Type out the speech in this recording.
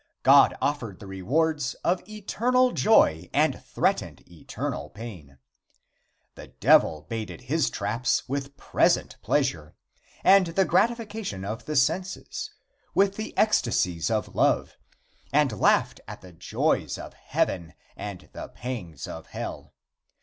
God offered the rewards of eternal joy and threatened eternal pain. The Devil baited his traps with present pleasure, with the gratification of the senses, with the ecstasies of love, and laughed at the joys of heaven and the pangs of hell.